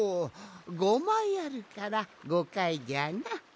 ５まいあるから５かいじゃな。